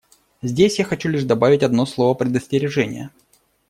Здесь я хочу лишь добавить одно слово предостережения.